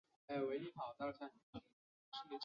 肚子又饿了